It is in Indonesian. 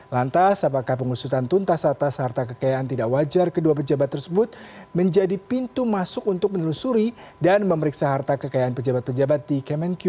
lantas apakah pengusutan tuntas atas harta kekayaan tidak wajar kedua pejabat tersebut menjadi pintu masuk untuk menelusuri dan memeriksa harta kekayaan pejabat pejabat di kemenku